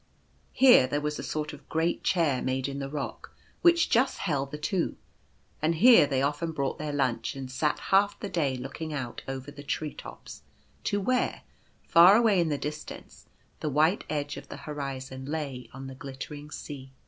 Here there was a sort of great chair made in the rock, which just held the two ; and here they often brought their lunch, and sat half the day looking out over the tree tops to where, far away in the distance, the white edge of the horizon lay on the glittering sea.